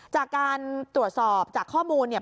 จากการตรวจสอบจากข้อมูลเนี่ย